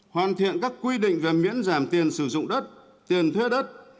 hoàn thiện các quy định về miễn giảm tiền sử dụng đất tiền thuê đất